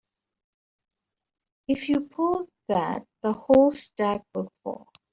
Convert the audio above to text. If you pull that the whole stack will fall.